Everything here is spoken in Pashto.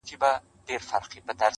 o ماته به بله موضوع پاته نه وي.